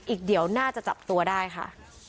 อีกเดี๋ยวน่าจะจับตัวได้ค่ะ